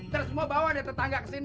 terus mau bawa deh tetangga kesini ya